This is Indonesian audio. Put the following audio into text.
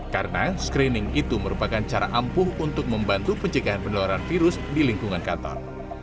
karena screening itu merupakan cara ampuh untuk membantu pencegahan penularan virus di lingkungan kantor